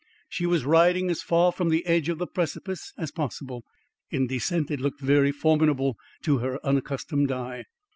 She was riding as far from the edge of the precipice as possible. In descent it looked very formidable to her unaccustomed eye.